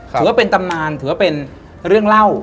ถือว่าเป็นตำนานถือว่าเป็นเรื่องเล่า